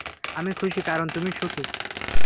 আমি খুশি, কারণ তুমি সুখী।